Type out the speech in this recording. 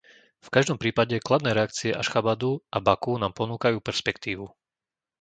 V každom prípade kladné reakcie Ašchabadu a Baku nám ponúkajú perspektívu.